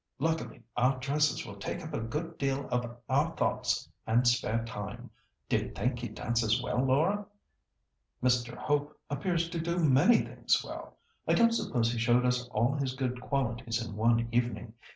Luckily our dresses will take up a good deal of our thoughts and spare time. Do you think he dances well, Laura?" "Mr. Hope appears to do many things well. I don't suppose he showed us all his good qualities in one evening.